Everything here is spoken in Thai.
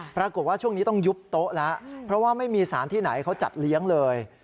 ปรากฏว่าช่วงนี้ต้องยุบโต๊ะแล้วเพราะว่าไม่มีสารที่ไหนเขาจัดเลี้ยงเลย